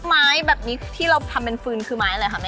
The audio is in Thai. ไม้แบบนี้ที่เราทำเป็นฟืนคือไม้อะไรคะแม่